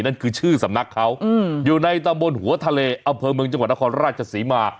นั่นคือชื่อสำนักเขาอยู่ในตำบลหัวทะเลอำเภอเมืองจังหวัดนครราชศรีมา